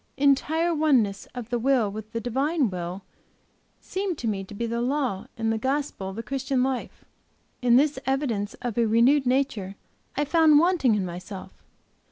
Entire oneness of the will with the Divine Will seem to me to be the law and the gospel of the Christian life; and this evidence of a renewed nature, I found wanting in myself.